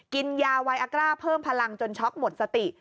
กินยาไวอากร้าเพิ่มพลังจนช็อกหมดสติ